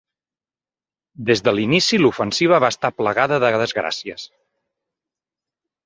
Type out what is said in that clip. Des de l'inici l'ofensiva va estar plagada de desgràcies.